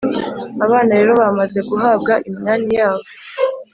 Abana rero bamaze guhabwa iminani yabo